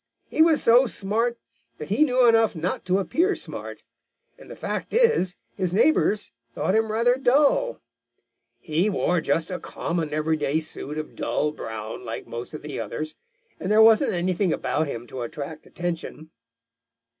He was so smart that he knew enough not to appear smart, and the fact is his neighbors thought him rather dull. He wore just a common, everyday suit of dull brown, like most of the others, and there wasn't anything about him to attract attention.